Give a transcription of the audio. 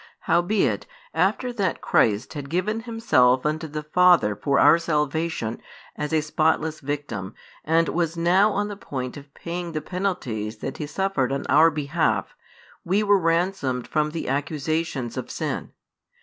Howbeit, after that Christ had given Himself unto the Father for our salvation as a Spotless Victim, and was now on the point of paying the penalties that He suffered on our behalf, we were ransomed from the accusations of sin.